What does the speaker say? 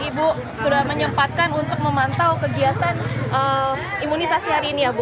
ibu sudah menyempatkan untuk memantau kegiatan imunisasi hari ini ya bu